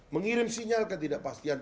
mengirim sinyal ketidakpastian